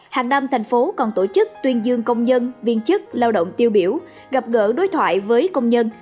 hàng năm thành phố còn tổ chức tuyên dương công nhân viên chức lao động tiêu biểu gặp gỡ đối thoại với công nhân